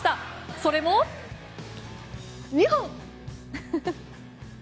それも、２本！